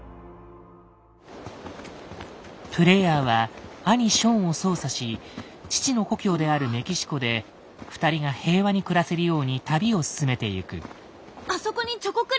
プレイヤーは兄ショーンを操作し父の故郷であるメキシコで２人が平和に暮らせるように旅を進めてゆく。